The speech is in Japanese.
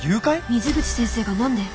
水口先生が何で？